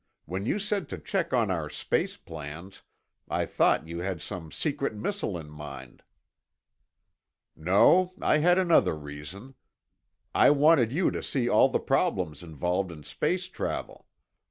When you said to check on our space plans, I thought you had some secret missile in mind." "No, I had another reason. I wanted you to see all the problems involved in space travel.